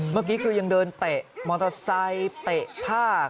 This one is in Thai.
เมื่อกี้คือยังเดินเตะมอเตอร์ไซค์เตะผ้า